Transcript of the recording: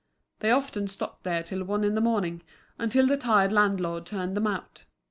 They often stopped there till one in the morning, until the tired landlord turned them out.